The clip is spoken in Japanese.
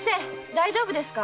大丈夫ですか？